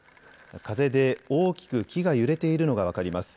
風で大きく木が揺れているのが分かります。